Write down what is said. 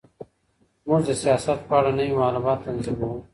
موږ د سياست په اړه نوي معلومات تنظيموو.